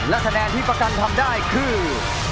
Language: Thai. และคะแนนที่ประกันทำได้คือ